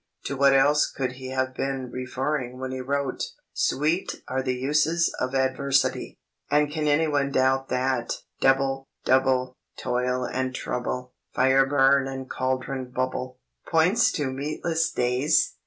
To what else could he have been referring when he wrote "Sweet are the uses of adversity," and can anyone doubt that "Double, double, toil and trouble, Fire burn and cauldron bubble," points to meatless days?